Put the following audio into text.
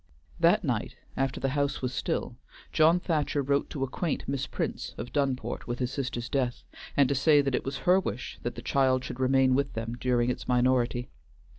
That night, after the house was still, John Thacher wrote to acquaint Miss Prince, of Dunport, with his sister's death and to say that it was her wish that the child should remain with them during its minority.